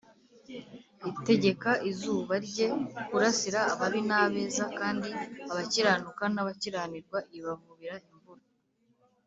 “itegeka izuba rye kurasira ababi n’abeza, kandi abakiranuka n’abakiranirwa ibavubira imvura